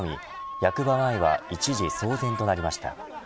役場前は一時、騒然となりました。